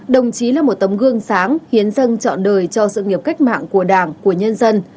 đồng chí là một tấm gương sáng hiến dân chọn đời cho sự nghiệp cách mạng của đảng của nhân dân